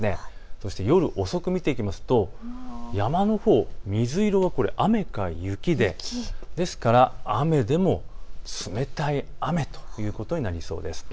そして夜遅く見ていきますと山のほう水色、雨か雪でですから雨でも冷たい雨ということになりそうです。